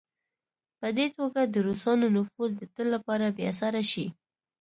په دې توګه د روسانو نفوذ د تل لپاره بې اثره شي.